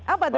apa tuh dok